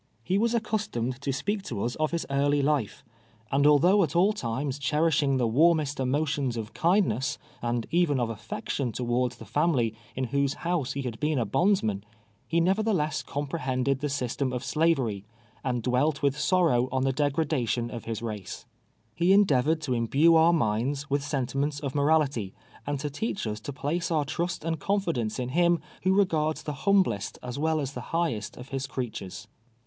He was accustomed to speak to us of his 20 TWKLVR YEARS A SLAVE. earlj life ; and althoui^h at all times clierisliini^ the wannest emotions of kindness, and even of alfectioii towards the family, in whose honse he ha<l heeu a bondsman, he nevertheless comprehended the system of Slavery, and dwelt with sorrow on the degradation of his race. lie endeavored to imhue our minds with sentiments of morality, and to teach us to ])lace our trust and confidence in Ilim who regards the humblest as well as the highest of his creatures.